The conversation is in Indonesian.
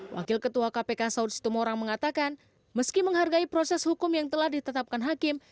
wakil ketua kpk saud situmorang mengatakan meski menghargai proses hukum yang telah ditetapkan hakim